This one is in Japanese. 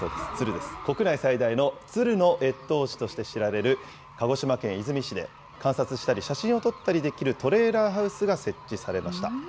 国内最大のツルの越冬地として知られる鹿児島県出水市で、観察したり写真を撮ったりできるトレーラーハウスが設置されました。